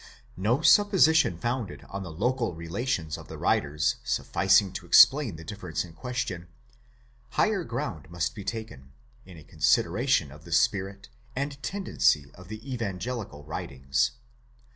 No supposition founded on the local relations of the writers sufficing to explain the difference in question, higher ground must be taken, in a con sideration of the spirit and tendency of the evangelical writings.